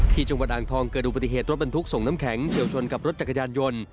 ที่จังหวัดอ่างทองเกิดอุบัติเหตุรถบรรทุกส่งน้ำแข็งเฉียวชนกับรถจักรยานยนต์